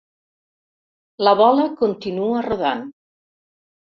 La bola continua rodant.